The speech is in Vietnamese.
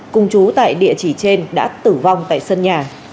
cùng chú tại địa chỉ trên đã tử vong tại sân nhà